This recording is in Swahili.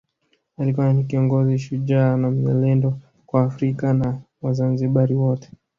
Alikuwa ni kiongozi shujaa na mzalendo kwa wa Afrika na wazanzibari wote